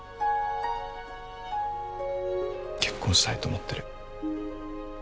結婚したいと思ってる。